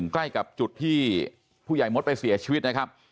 ใกล้กับจุดที่ผู้ใหญ่มดไปเสียชีวิตนะครับ